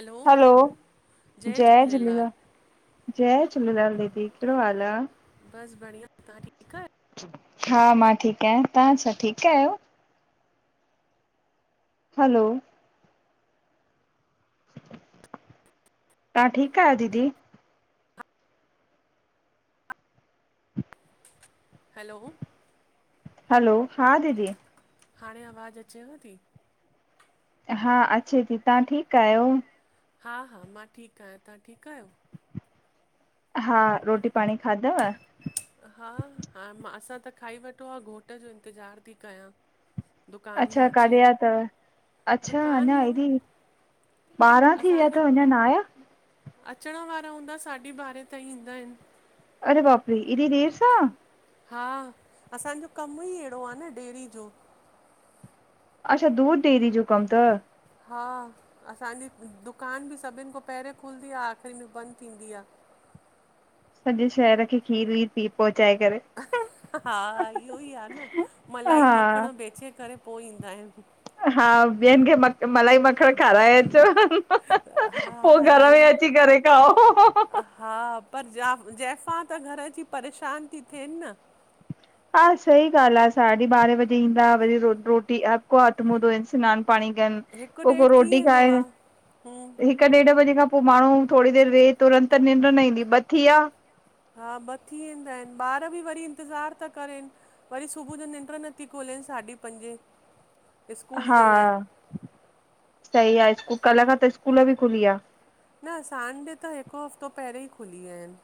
Hello hello, जय झूलेलाल जय झूलेलाल दीदी, कहिड़ो हाल आ? बस बढ़िया, तव्हां ठीकु आहियो? हा मां ठीकु आहियां, तव्हां छा ठीकु आहियो? हलो तव्हां ठीक आहियो दीदी? हलो हलो हा दीदी हाणे आवाज़ अचेव थी? हा अचे थी तव्हां ठीकु आहियो? हा-हा मां ठीकु आहियां। तव्हां ठीकु आहियो? हा रोटी पाणी खाधव? हा हा मां असां त खाई वठो आहे घोट जो इंतज़ारु थी कयां। दुकान मां अच्छा काॾे वया अचेनि तव, अच्छा दुकान अञा मां ऐॾी ॿारहां थी विया असांजो तव अञां न आहिया? अचण वारा हूंदा, साढी बारहें ताईं ईंदा आहिनि अड़े बापरी इॾी देर सां। हा असांजो कम ई अहिड़ो आहे न डेेरी जो। अच्छा दूध देयरी जो कम त। हा असांजी दुकान बि सभिनि खां पहिरियों खुलंदी आहे आख़िरी में बंदि थींदी आहे। [inaudible] सॼे शहर खे खीर वीर पी पो। हा इयो ई आहे न मलाई, हा, मखण बेचे करे। पोइ ईंदा आहिनि। हा ॿियनि खे म मलाई मखण खाराए अचो। हा पोइ घर इहो में ई अची करे खाओ। हा पर जा जंफ़ां त घर जी परेशान ती थियेनि न। हा सही ॻाल्हि आहे साढी बारे बजे ईंदा, वरी रोटी हक, हथ मुधो स्नान। पाणई कन हिकु अगॉपो ॾेढ थी रॉटी वेंदो आ खाइन हूं हिक डेड बजे खां पोइ- पोइ माण्हू थोरी देरि वेह तुरंत निंड न ईंदी ब् थी वया। हा ब थी वेंदा आहिनि ॿार बि वरी इंतज़ारु था करनि, वरी सुबुह जो निंड नथी खुलेन। साढी पंजे स्कूल हा जे लाइ सही आहे स्कू कल्ह खां त स्कूल बि खुली आहे न सांड त हिकु हफ़्तो पहिरियों ई खुली विया आहिनि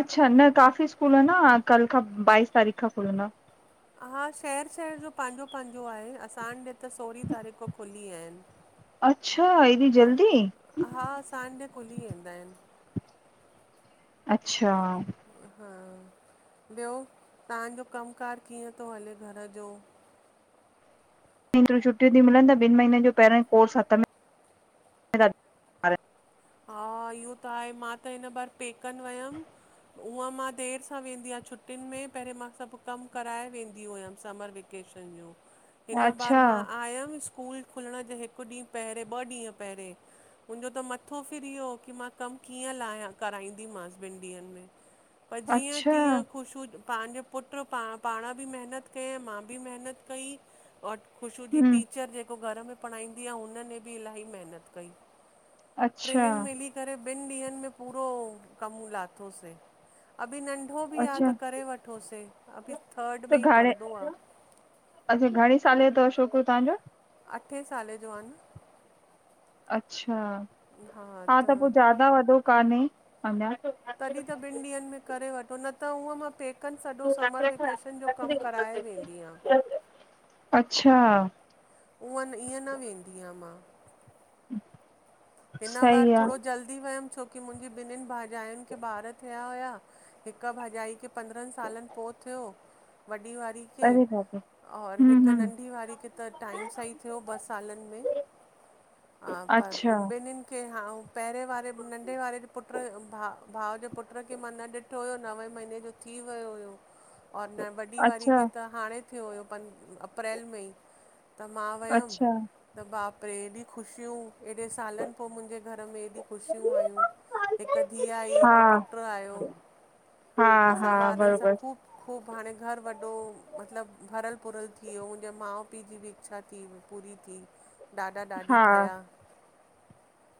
अच्छा न काफ़ी स्कूल ह न कल्ह खां बाईस तारीख़ खां खुलंदा हा शहर शहर जो पंहिंजो पंहिंजो आहे असां ॾे त सोरहीं तारीख़ खौ खुली विया आहिनि अचछा इॾी जल्दी हा असां ॾे खुली वेंदा आहिनि अच्छा हा ॿियो तव्हांजो कमु कार कीअं थो हले घर जो। छुटियूं थी मिलंन ॿिनि महीननि जो पहिरियों ई कोर्स हथ में हा इहो त आहे मा त हिन बार पेकनि वयमि हूंअ मां देरि सां वेंदी आहियां छुटियुनि में पहिरियों मां सभु कमु कराए वेंदी हुयमि समर वेकेशन हिन बार अच्छा मां आयम स्कूल खुलण जे हिकु ॾींहुं पहिरियोें ॿ ॾींहं पहिरें मुंहिंजो त मथ थो फिर इहो की मां कमु कीअं लाइया कराईंदीमाससि ॿिनि ॾींहंनि में पर जीअं अच्छा तीअं ख़ुशू पंहिंजो पुटु पा पाण बि महिनत कईं मां बि महिनत कई और ख़ुशू जी टीचर जेको घर में पढ़ाईंदी आहे हुने बि इलाही महिनत कई। अच्छा टनिन मिली करे ॿिनि ॾींहनि में पूरो कम लाथोसीं अभी नंढो बि आहे अच्छा त करे वठोसीं अभी थर्ड त में ई घणे पढ़दो आहे। अच्छा घणे साले जो छोकिर तव्हांजो? अठे साले जो आहे। अच्छा हा त पोइ ज्यादा वॾो कान्हे अञा। त ॿिनि ॾींहंनि में करे वठो न त उहो तो थे हिकुकन सॼो समर वेकेशन जो कमु कराए वेंदी आ। अच्छा उऊअं ईअं न वेंदी आहियां मां हम हिना बार थोरो जल्दी वयम छोकी मुंहिंजी ॿिननिहिनि भाॼायुनि खे ॿार थिया हुया हिकु भाॼाई खे पंद्रहनि सालनि पोइ। थियो वॾी वारारी खे। अरे बाबा और हम हिकु हम नंढी वारी खे त टाइम सां ई थियो ॿ सालनि में। हा पर अच्छा ॿिन्निखे [unintelligible] हा [unintelligible] पहिरें वारे नंढे वारे पुटु [unintelligible] भा, भा जे पुट खे मां न ॾिठो हुयो नवे महीने जो थी वियो हुयो। और न वॾी वारी अच्छा खे त हाणे थियो हुयो [unintelligible] अप्रैल मे ही त मां वयम अच्छा त, बाप रे! एॾियूं ख़ुशियूं एॾे सालन [unintelligible] मुंहिंजे घर में एॾियूं ख़ुशियूं आयूं- हिक धीअ आहि हिक हा पुटु आयो। हा हा असां ॿारनि सां बरोबर। ख़ूब ख़ूब हाणे घरु वॾो, मतलब भरियलु-भुरल थी वियो। मुंहिंजे माउ-पीउ जी बि इच्छा थी पूरी [inaudible] ॾाॾा ॾाॾी हा ठया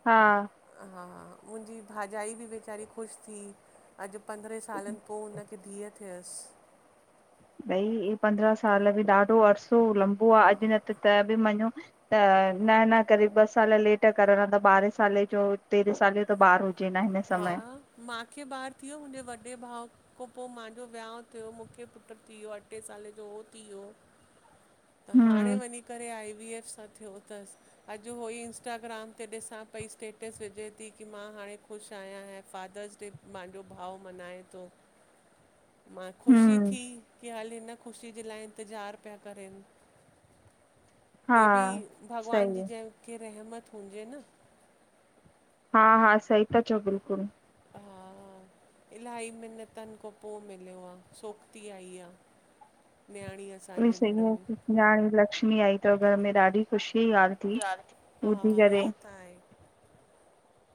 हा [unintelligible] हा मुंहिंजी भाॼाई बि वेचारी ख़ुशि थी, अॼु पंद्रहेंं सालनि पो हुन [unintelligible] धीअ थियस भई पंद्रहां साल ॿि ॾाढो अरिसो लंबो आह, अॼु न त त बि मञो त न न करे ॿ साल लेट करण त ॿारहं साले जो तेरहें साले वजो ॿार [unintelligible] समय हा माखे ॿार थी, वियो मुंहिंजे वॾे भाउ खां पोइ महाजो विहाांउ थियो मूंखे पुटु थी वियो अठे साले जो उहो थी वियो [unintelligible] हाणे हम्म वञी करे आई बी एफ सां थियो तस अॼु उहो ई इंस्टाग्राम ते ॾिसां पई स्टेटस विझे थी की मां हाणे ख़ुश आहियां ऐं फादर्स डे माजो भाउ मनाए तो। मां ख़ुशी हम्म थी की हाले ख़ुशी जे लाइ इंतिज़ार पिया करनि। हा हे बि भॻवान जी सही जंहिंखे रहमत हुजे न। हा हा, सही ता, चओ बिल्कुलु [unintelligible] इलाही महििनतनि खां पो मिलियो आहे सोकती आई आह। [unintelligible] सही में न्याणी लक्ष्मी आई तव् घर में ॾाढी ख़ुशी यार हा इहो [unintelligible] त आहे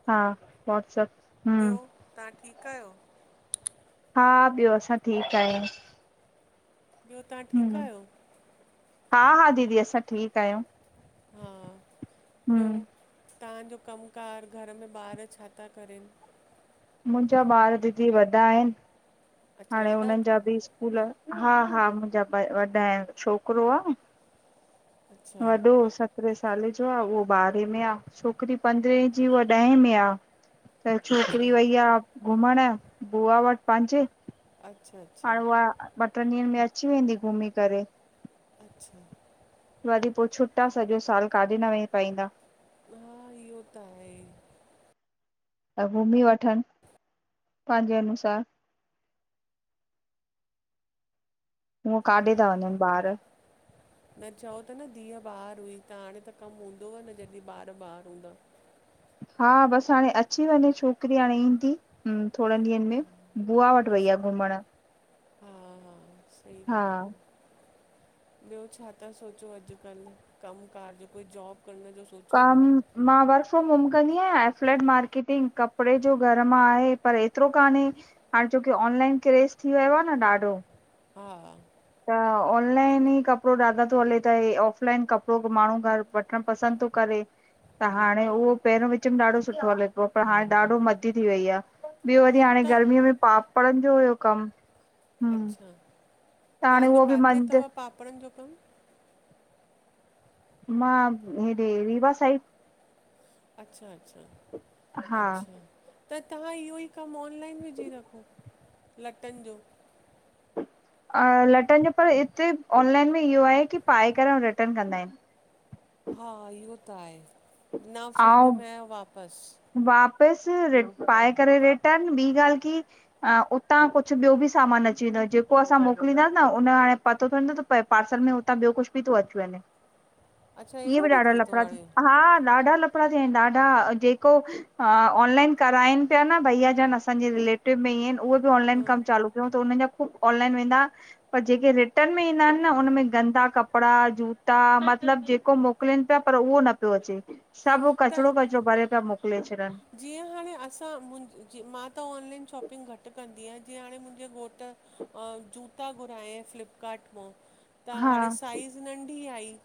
हा वॉट्सप ॿियो ता ठीकु आहियो? हा ॿियो असां ठीक आहियूं। ॿियो ता ठीकु हम्म आहियो? हा हा दीदी असां ठीकु आहियूं। हा ॿियो? हम्म ता कमु-कारु घर में ॿार छा था करनि? मुंहिंजा ॿार दीदी वॾा आहिनि, अच्छा हाणे वॾा हुननि जा बि अथव स्कूल हा हा मुंहिंजा [unintelligible] छोकिरो आह। अच्छा वॾो सत्रेस साले जो आह, उहो ॿारहें में आह, छोकिरी पंद्रहें जी, उहा ॾहें में आह। त अच्छा छोकिरी वई आहे, घुमण बुआ वट पंहिंजे। अच्छा अच्छा हाणे उहा ॿ टे ॾींहंनि में अची वेंदी घुमी करे। [unintelligible] वरी पोइ छुटा सॼो साल काॾे न वेही पाईंदा। हा इो त आहे। [unintelligible] घुमी वठनि पंहिंजे अनुसार हूअ काॾे था वञनि, ॿार? न चओ त न, धीअउ ॿार हुई त हाणे त कमु हूंदोव न जॾहिं ॿार ॿार हूंदा। हा, बसि हाणे अची वञे छोकिरी, हाणे ईंदी थोरनि ॾींहंनि हा में बुवा वटि वई आए घुमण हम्म हम्म सही हा ॻाल्हि आ ॿियो छा ता सोचो अॼुकल कमु कार जो कोई जॉब? करण जो सोचो कम था मां वर्क फ्रोम होम कदी आहिे फ्लैट मार्केटिंग, कपडे जो घर मां आहे, पर एतरो काने, हाणे छो की [unintelligible] [unintelligible] [unintelligible] लाइन क्रेस थी वियो आहे न ॾाढो? हम्म त ऑनलाइन ई कपिड़ो ॾाढो तो हले त ऑफ़लाइन कपिड़ो बि माण्हू घरु वठणु पसंदि तो करे। त हाणे उहो पहिरियों विच में ॾाढो सुठो हले पियो पर हाणे ॾाढो मदी थी वई आ। ॿियो वरी हाणे त गर्मीअ में पापड़नि जो हुयो कमु हम्म अच्छा त हाणे तांजो उहो बि कांथे मंद थव पापड़नि जो कमु मां हेॾे रीवा साइड अच्छा अच्छा हा अच्छा त तहां इहो ई कमु ऑनलाइन विझी रखो लटनि जो अ लटन जो पर इते ऑनलाइन में इओ आए कि पाए करे अऊं रिटन कंदा आइनि हा इहो त आए न सम्झ ऐं में आयो वापसि वापसि पाए करे रिटन ॿीं ॻाल्हि कि, उतां कुछ ॿियो बि सामान अची वेंदो आ जेको असां मोकिलींदा अयुसि न उन हाणे पतो थो न त पा पार्सल में हुतां ॿियो कुछ बि थो अची वञे अच्छा इए अहिड़ो बि ॾाढा थिए थो लफड़ा थी हाणे हा ॾाढा लफड़ा थिया आइनि ॾाढा जेक को अ ऑनलाइन कराइनि पिया न भयाजिनि असांजे रिलेटिव में ई अइनि उओ बि ऑनलाइन हा कम चालू कयो त उन जा ऑनलाइन वेंदा, पर जेके रिटन में ईंदा आइनि न उन में गंदा कपिड़ा जूता बद मतिलब जेको मोकिलनि पिया पर उओ न पियो अचे सभु त कचिड़ो कचिड़ो भरे पिया मोकिले छ जीअं हाणे असां मु मां त ऑनलाइन शॉपिंग घटि कंदी आया जीअं हाणे मुंहिंजे घोटु अ जूता घुराया फ्लिपकार्ट मां त हाणे हा साइज़ नंढी आई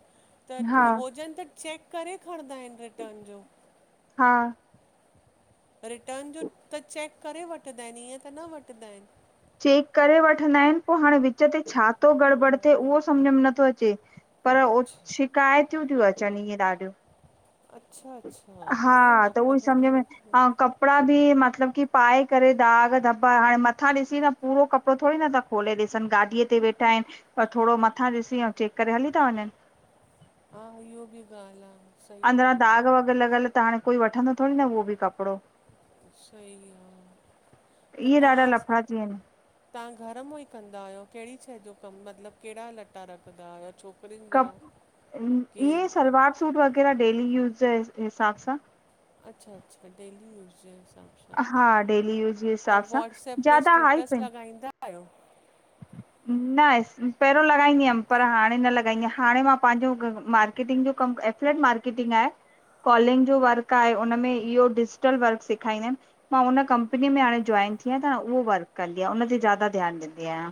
त हा हुजनि त चेक करे खणंदा आइनि रिटन जो हा रिटन जो त चेक करे वठंदा आइनि ईअं त न वठंदा आइनि चेक करे वठंदा आइनि पो हाणे विच ते छा तो गड़बड़ थे उओ सम्झ में नथो अचे पर ओ अच्छा शिकायतियूं तियूं अचनि इएं ॾाढियूं अच्छा अच्छा हा इहो न त उओ ई ख़बर हुई सम्झ में मूंखे अऊं कपिड़ा बि मतलब की पाए करे दाग़ दॿा हाणे मथां ॾिसी त पूरो कपिड़ो थोरी न था खोले ॾिसनि गाॾीअ ते वेठा आइनि ऐं थोड़ो मथां ॾिसी अऊं चेक करे हली ता वञनि हा इहो बि ॻाल्हि आ अंदिरां दाॻ वग़ैरे लॻियल त हाणे कोई वठंदो थोड़ी न उओ बि कप कपिड़ो सही आहे इए ॾाढा लफड़ा थी वेंदा आइनि तां घर मां ई कंदा आयो कहिड़ी शइ जो कमु मतलबु कहिड़ा लटा रखदा आहियो छो कप इये सलवार सूट वग़ैरह डेली यूज़ जे हि हिसाब सां अच्छा अच्छा डेली यूज़ जे हिसा हा डेली यूज़ जे हिसाब सां व्हाट्सएप ते ज्यादा हाइप स्टेटस आइनि लॻाईंदा आहियो न पहिरों लॻाईंदी हुअमि पर हाणे न लॻाईंदी आया, हाणे मां पांहिंजो मार्केटिंग जो कमु कर एफलेट मार्केटिंग आए कॉलिंग जो वर्क आए उनमें इओ डिज़ीटल वर्क सिखाईंदा आइनि मां हुन कंपनीअ में हाणे जोइन वेठी आया त उओ वर्क कंदी आया उन ते ज्यादा ध्यानु ॾींदी आयां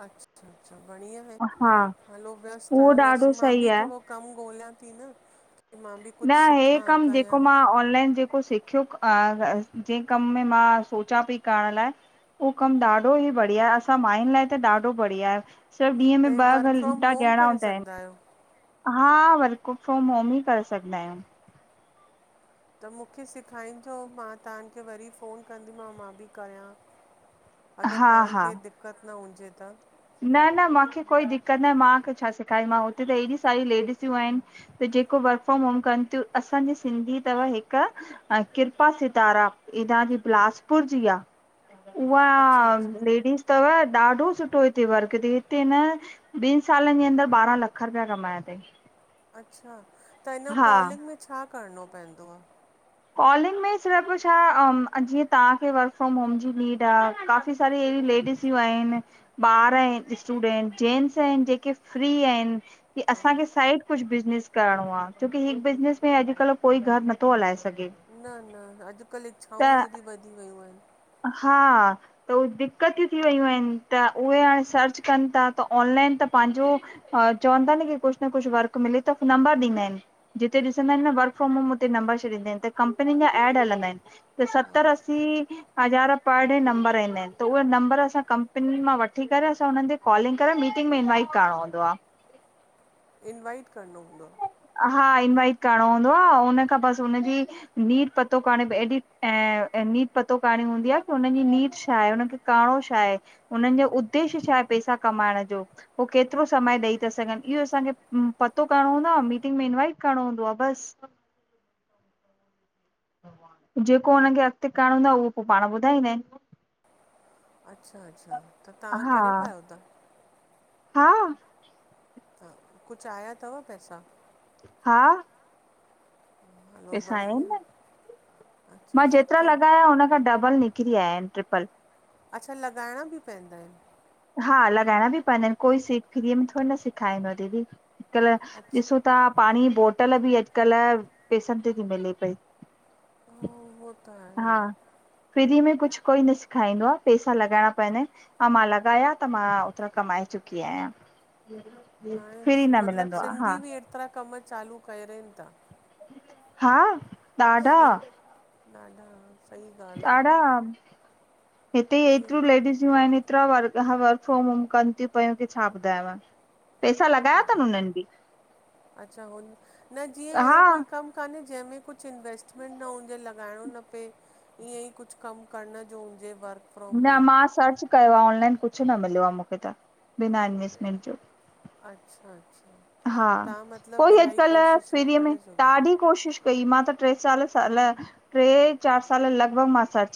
अच्छा अच्छा बढ़िया आहे हा हलो व्यस्त उहो आयो असि ॾाढो मां सही बि आहे थोड़ो कमु ॻोल्हियां ती न की मां बि कुझु न हे सिखां कम जेको कयां मां ऑनलाइन जेको सिख [unintelligible] जे कम में मां सोचां पई करण लाइ हू कमु ॾाढो ई बढ़िया आहे। असां माइन लाइ त ॾाढो बढ़िया आहे। सिर्फ़ु ॾींहं में त ॿ वर्क फ्रॉम घंटा होम ॾियणा करे हूंदा आहिनि। सघंदा आहियो हा वर्क फ्रोम होम ई करे सघदा आहियूं। त मूंखे सेखाइजो मां तांखे वरी फ़ोन कंदीमांव मां बि कयां अगर हा तां हा खे दिक़त न हुजे त न न मूंखे कोई दिक़त न आए मांखे छा सेखारींदीमांव हुते त एॾी सारी लेडिसियूं आइनि त जेको वर्कफ्रोम होम कनि तियूं असांजी सिंधी थव हिकु, किरपा सितारा तांजी बिलासपुर जी आ उआ अच्छा अच्छा लेडिस तव ॾाढो सुठो वर्क हिते न ॿिनि सालनि जे अंदर बारहां लख रुपया कमाया अथई। अच्छा त हिन हा कॉलिंग में छा करिणो पवंदो आ? कॉलिंग में सिर्फ़ छा अम जीअं तव्हांखे वर्क फ्रोम होम जी नीड आ, काफ़ी सारीे एड़ी लेडीज़ लेडिस्यू आएन, बार आएन, स्टूडेन्ट, जेन्ट्स आएन, जेके फ्री आएन। असांखे साइड कुझु बिज़नेस करिणो आहे छोकी हिक बिज़नेस में अॼुकल्ह कोई घर नथो हलाए सघे। सगें हा अॼुकल्ह इच्छाऊं हेॾी वधी वियूं आहिनि। हा त उ दिक़त थी वियूं आहिनि त उहे हाणे सर्च कनि था त ऑनलाइन कु पांजों चवन्ता न पांजो कुछ न कुछ वर्क मिले त पो नम्बर डीन्दा आएन। वर्क फॉर्म होम हुते नंबर छॾींदा कंपनी जा एड हलंदा आहिनि त सतर असी हज़ार पर डे नंबर ईंदा आहिनि त उहे नंबर असां कंपनी मां वठी करे असां हुननि ते कॉलिंग करे मी ंमीटिंग में इनवाइट करणो हूंदो आहे। इनवाइट करणो हूंदो हा इनवाइट करणो हूंदो आ हुन खां बस हुनजी नीड पतो करणी [unintelligible] हिय पतो करणी हूदी आहे नीड छाए उनखे करणो छाए उनन जो उद्देश्य छाए पैसा कमाएण जो उअ केतरो समय डेयी ता सगेंन इयो असांजे करणो हूंदो आ, मीटिंग में इनवाइट करिणो हूंदो आ, बस जेको हुनखे अॻिते करणो हूंदो आहे उहो पोइ पाण ॿुधाईंदा आहिनि। अच्छा- अच्छा त तव्हां करे हा, पायो था? हा त कुझु आया अथव पैसा? हा हलो पेसा आया आएन बढ़िया न अच्छा मां जेतिरा सुठो लॻाया हुन खां डबल निकत निकिरी आया आहेन ट्रिपल अच्छा लॻाइणा बि पवंदा आहिनि। हा लॻाइणा बि पवंदा आहिनि। कोई सीख फिरीअ में थोरी न सेखारींदो दीदी। कल्ह अच्छा ॾिसूं था पाणी बोटल बि अॼकल्ह पेसनि ते थी मिले पई। ओ, उहो त हा आहे फ्री में कुझु कोई न सिखारींदो आहे, पेसा लॻाइणा पवंदा आहिनि ऐं मां लगाया त मां एतिरा कमाए चुकी आहियां। फ्री हाणे न मिलंदो मतलबु आहे हा सिंधी बि एतिरा कम चालू करनि था। हा ॾाढा डाढा ॾाढा हिते ई इहो हेतिरियूं लेडीसूं आहिनि। कतिरा वर्क फ्रोम होम कनि थी पयूं की छा ॿुधायांव? पैसा लॻाया अथनि हुननि बि अच्छा हुन न जीअं अहिड़ो हा कोई कमु कान्हे जंहिंमें कुझु इंवेस्टमेंट न हुजे, लॻाइणो न पए ईअं ई कुझु कमु करण जो हुजे वर्क फ्रॉम न होम मां सर्च कयो आहे ऑनलाइन कुझु न मिलियो आहे, मूंखे त बिना एन्वेस्टमेंट जो अच्छा अच्छा हा तव्हां मतिलबु कोई इलाही अॼुकल्ह कोशिशा फ्रीअ में करे सघो ॾाढी कोशिशि कई मां त टे चार साल ट्रे चार साल लॻभॻ मां सर्च